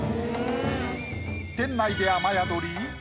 店内で雨宿り？